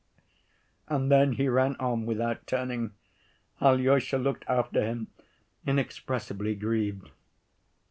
And then he ran on without turning. Alyosha looked after him, inexpressibly grieved.